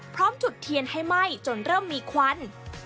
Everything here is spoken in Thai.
พร้อมจุดเทียนให้ไหม้จนเริ่มมีควัน